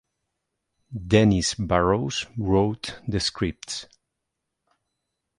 Denys Burrows wrote the scripts.